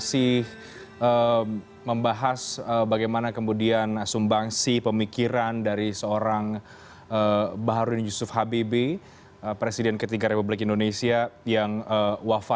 dengan sebaik baiknya dan seagil agilnya